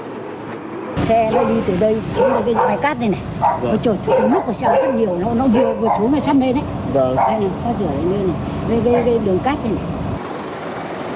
trời thằng nước của xe nó chấp nhiều nó vừa vừa xuống nó chấp mê